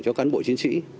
cho cán bộ chiến sĩ